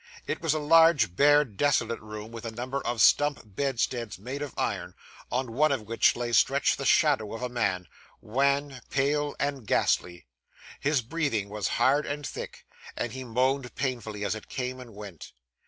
It was a large, bare, desolate room, with a number of stump bedsteads made of iron, on one of which lay stretched the shadow of a man wan, pale, and ghastly. His breathing was hard and thick, and he moaned painfully as it came and went.